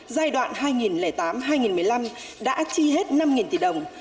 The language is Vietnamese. giai đoạn hai nghìn tám hai nghìn một mươi năm đã chi hết năm tỷ đồng